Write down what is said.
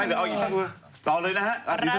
อันต่อไป